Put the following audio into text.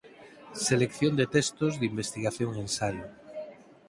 Selección de textos de investigación e ensaio.